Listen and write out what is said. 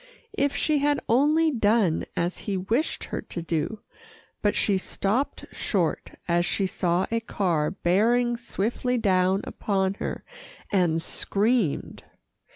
If she had only done as he wished her to do, but she stopped short, as she saw a car bearing swiftly down upon her, and screamed.